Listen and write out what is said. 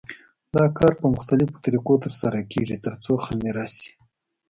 دا کار په مختلفو طریقو تر سره کېږي ترڅو خمېره شي.